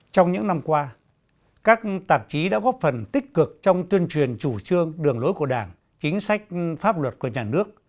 trong những năm qua các tạp chí đã góp phần tích cực trong tuyên truyền chủ trương đường lối của đảng chính sách pháp luật của nhà nước